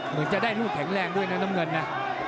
เหมือนจะได้ลูกแข็งแรงด้วยนะน้ำเงินนะ